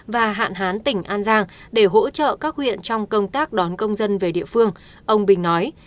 và hạn hán tỉnh an giang để hỗ trợ các huyện trong công tác đón công dân về địa phương ông bình nói